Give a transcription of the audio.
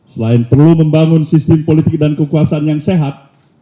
selain perlu membangun sistem politik dan kekuasaan yang sehat